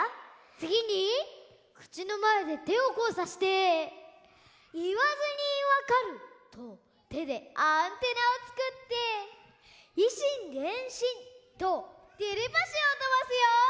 つぎにくちのまえでてをこうさして「言わずにわかる」とてでアンテナをつくって「以心伝心」とテレパシーをとばすよ！